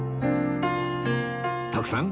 徳さん